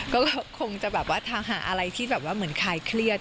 ก็คงจะแบบว่าถ้าหาอะไรที่แบบว่าเหมือนคลายเครียด